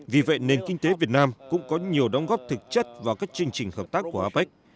vì vậy nền kinh tế việt nam cũng có nhiều đóng góp thực chất vào các chương trình hợp tác của apec